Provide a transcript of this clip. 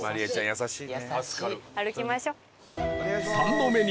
優しい。